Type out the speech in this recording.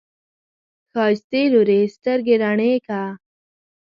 ښايستې لورې، سترګې رڼې که!